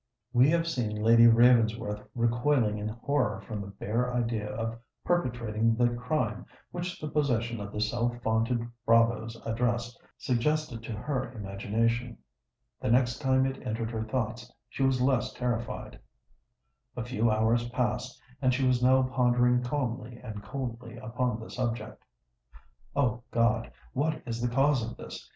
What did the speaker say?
We have seen Lady Ravensworth recoiling with horror from the bare idea of perpetrating the crime which the possession of the self vaunted bravo's address suggested to her imagination:—the next time it entered her thoughts, she was less terrified;—a few hours passed—and she was now pondering calmly and coldly upon the subject. O God! what is the cause of this?